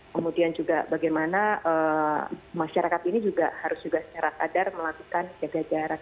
kemudian juga bagaimana masyarakat ini juga harus juga secara sadar melakukan jaga jarak